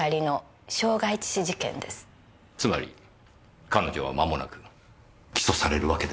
つまり彼女は間もなく起訴されるわけですか？